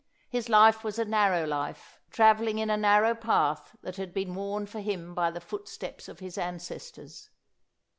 His life was a narrow life, travelling in a narrow path that had been worn for him by the footsteps of his ancestors.